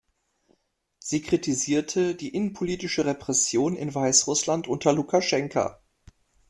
Sie kritisierte die innenpolitische Repression in Weißrussland unter Lukaschenka.